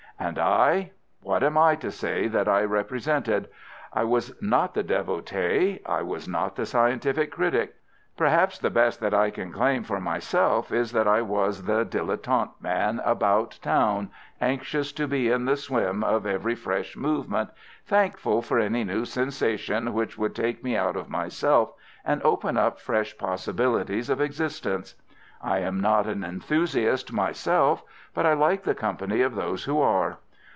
And I? What am I to say that I represented? I was not the devotee. I was not the scientific critic. Perhaps the best that I can claim for myself is that I was the dilettante man about town, anxious to be in the swim of every fresh movement, thankful for any new sensation which would take me out of myself and open up fresh possibilities of existence. I am not an enthusiast myself, but I like the company of those who are.